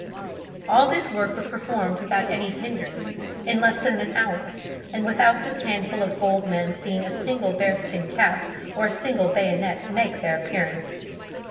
All this work was performed without any hindrance, in less than an hour, and without this handful of bold men seeing a single bear skin cap or a single bayonet make their appearance.